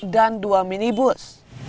dan dua mini bus